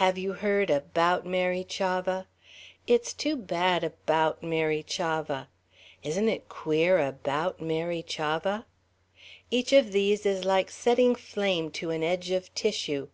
"Have you heard about Mary Chavah?" "It's too bad about Mary Chavah." "Isn't it queer about Mary Chavah?" each of these is like setting flame to an edge of tissue.